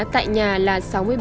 tại nhà là sáu mươi bảy